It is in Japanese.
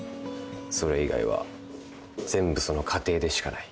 それ以外は全部その過程でしかない。